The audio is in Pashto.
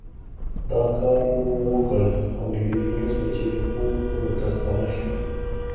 دا کار مو وکړ او نږدې یوولس بجې د خوب خونو ته ستانه شوو.